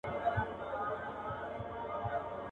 په اوبو کوچي کوي.